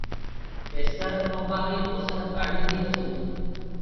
ପେସ୍କାର ଖପା ହୋଇ ବସାରୁ କାଢି ଦେଇଅଛନ୍ତି ।